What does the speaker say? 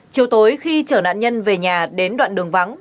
chiều tối khi chở nạn nhân về nhà đến đoạn đường vắng